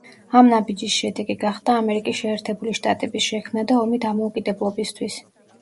ამ ნაბიჯის შედეგი გახდა ამერიკის შეერთებული შტატების შექმნა და ომი დამოუკიდებლობისთვის.